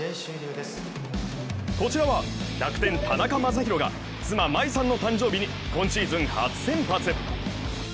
こちらは楽天・田中将大が妻・まいさんの誕生日に今シーズン初先発。